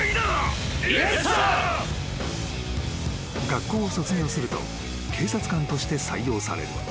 ［学校を卒業すると警察官として採用される］